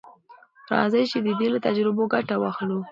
راځئ چې د ده له تجربو ګټه واخلو.